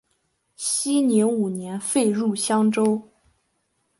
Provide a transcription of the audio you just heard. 熙宁五年废入襄州。